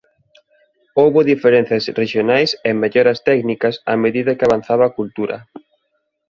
Houbo diferenzas rexionais e melloras técnicas a medida que avanzaba a cultura.